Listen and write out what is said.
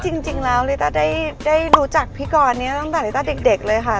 จริงแล้วลิต้าได้รู้จักพี่กรนี้ตั้งแต่ลิต้าเด็กเลยค่ะ